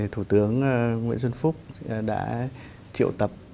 thủ tướng nguyễn xuân phúc đã triệu tập